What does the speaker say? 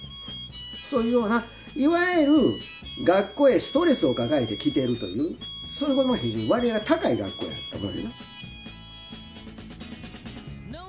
そういうようないわゆる学校へストレスを抱えて来てるというそういう子の割合が高い学校やったと思うねんな。